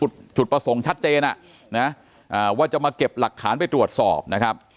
จุดประสงค์ชัดเจนว่าจะมาเก็บหลักฐานไปตรวจสอบนะครับ